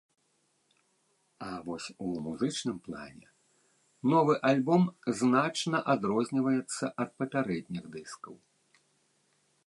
А вось у музычным плане новы альбом значна адрозніваецца ад папярэдніх дыскаў.